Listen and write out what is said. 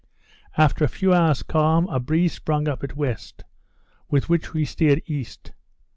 After a few hours calm, a breeze sprung up at west, with which we steered east.